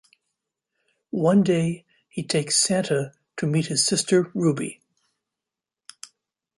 One day he takes Santa to meet his sister Ruby.